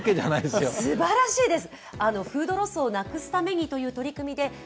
すばらしいです。